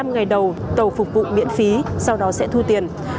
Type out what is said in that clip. một mươi năm ngày đầu tàu phục vụ miễn phí sau đó sẽ thu tiền